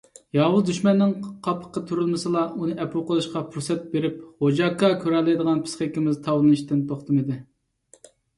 ياۋۇز دۈشمەننىڭ قاپىقى تۈرۈلمىسىلا ئۇنى ئەپۇ قىلىشقا پۇرسەت بېرىپ «غوجاكا» كۆرەلەيدىغان پىسخىكىمىز تاۋلىنىشتىن توختىمىدى.